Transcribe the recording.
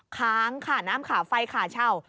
ค้างขาดน้ำขาดไฟขาดเช่า